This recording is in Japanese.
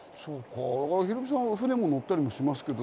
ヒロミさん、船も乗ったりしますもんね。